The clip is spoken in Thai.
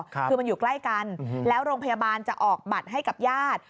คือมันอยู่ใกล้กันแล้วโรงพยาบาลจะออกบัตรให้กับญาติ